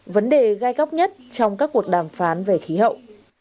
vấn đề gai góc nhất trong các cuộc đàm phán về khí hậu